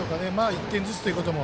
１点ずつということも。